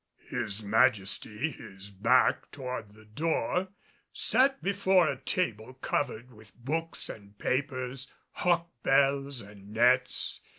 His Majesty, his back toward the door, sat before a table covered with books and papers, hawk bells and nets.